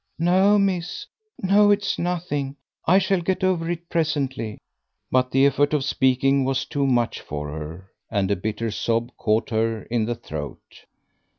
"No, miss, no, it's nothing; I shall get over it presently." But the effort of speaking was too much for her, and a bitter sob caught her in the throat.